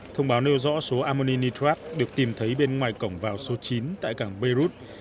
thông báo nêu rõ số ammoni nitrate được tìm thấy bên ngoài cổng vào số chín tại cảng beirut